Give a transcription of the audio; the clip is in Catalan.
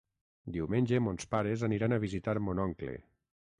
Diumenge mons pares aniran a visitar mon oncle.